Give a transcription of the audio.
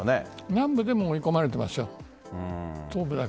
南部でも追い込まれてますね。